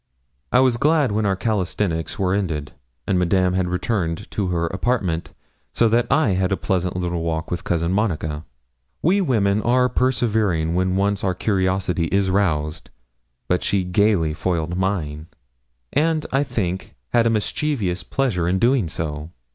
I was glad when our calisthenics were ended, and Madame had returned to her apartment, so that I had a pleasant little walk with Cousin Monica. We women are persevering when once our curiosity is roused, but she gaily foiled mine, and, I think, had a mischievous pleasure in doing so.